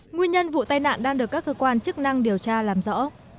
nguyên nhân vụ tai nạn đang được các cơ quan chức năng điều tra làm rõ